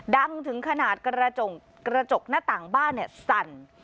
ดังถึงขนาดกระจกหน้าต่างบ้านสั่น